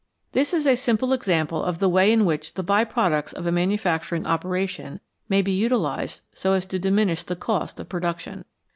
This is a simp! 2 example of the way in which the by products of a manufacturing operation may be utilised so as to diminish the cost of production.